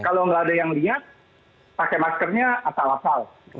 kalau nggak ada yang lihat pakai maskernya atau hafal